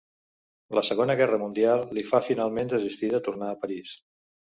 La Segona Guerra Mundial li fa finalment desistir de tornar a París.